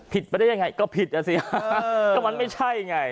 ไปได้ยังไงก็ผิดอ่ะสิฮะก็มันไม่ใช่ไง